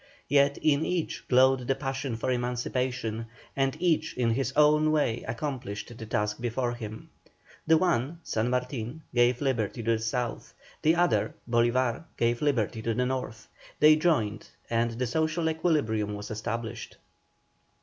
Yet in each glowed the passion for emancipation, and each in his own way accomplished the task before him. The one, San Martin, gave liberty to the South, the other, Bolívar, gave liberty to the North. They joined, and the social equilibrium was established.